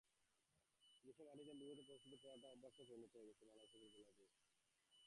বিদেশের মাটিতে এমন বিব্রতকর পরিস্থিতিতে পড়াটা অবশ্য অভ্যাসেই পরিণত হয়েছে বাংলাদেশের ফুটবলারদের।